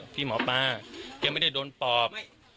พระไล่ปอบ